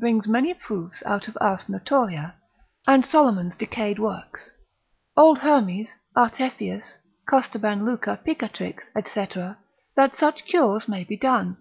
brings many proofs out of Ars Notoria, and Solomon's decayed works, old Hermes, Artefius, Costaben Luca, Picatrix, &c. that such cures may be done.